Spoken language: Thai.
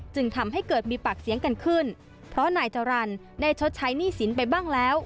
จึงทำให้เกิดมีปากเสียงกันขึ้นเพราะนายจรรย์ได้ชดใช้หนี้สินไปบ้างแล้ว